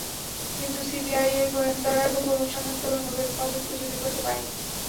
কিন্তু সিবিআইয়ের গোয়েন্দারা বহু অনুসন্ধান করেও নোবেল পদক খুঁজে বের করতে পারেনি।